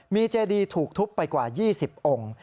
มีเจดีถูกทุบไปกว่า๒๐องค์